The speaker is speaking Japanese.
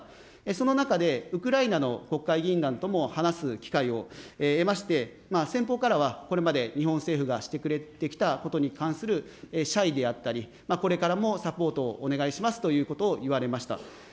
その中で、ウクライナの国会議員団とも話す機会を得まして、先方からはこれまで日本政府がしてくれてきたことに関する謝意であったり、これからもサポートをお願いしますということを言われました。